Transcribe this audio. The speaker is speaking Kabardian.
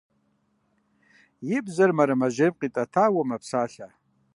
И бзэр мэрэмэжьейм къитӀэтауэ мэпсалъэ.